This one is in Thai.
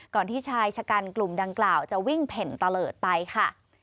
ที่ชายชะกันกลุ่มดังกล่าวจะวิ่งเผ่นตะเลิศไปค่ะ